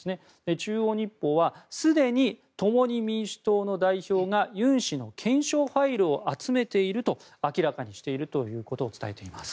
中央日報はすでに共に民主党の代表がユン氏の検証ファイルを集めていると明らかにしているということを伝えています。